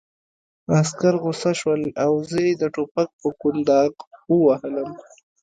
عسکر غوسه شول او زه یې د ټوپک په کونداغ ووهلم